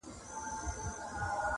چا پوښتنه ورنه وكړله نادانه.!